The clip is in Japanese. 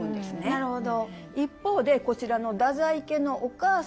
なるほど。